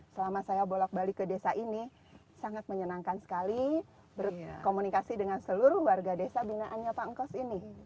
selama saya bolak balik ke desa ini sangat menyenangkan sekali berkomunikasi dengan seluruh warga desa binaannya pak engkos ini